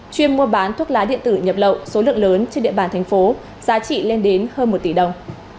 chuyên mua bán thuốc lá điện tử nhập lậu số lượng lớn trên địa bàn thành phố giá trị lên đến hơn một tỷ đồng